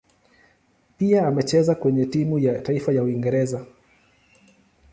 Pia amecheza kwenye timu ya taifa ya Uingereza.